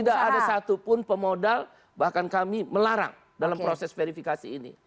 tidak ada satupun pemodal bahkan kami melarang dalam proses verifikasi ini